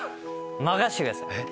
任せてください。